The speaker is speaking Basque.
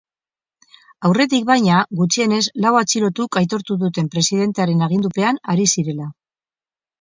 Aurretik, baina, gutxienez lau atxilotuk aitortu duten presidentearen agindupean ari zirela.